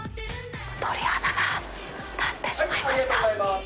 鳥肌が立ってしまいました。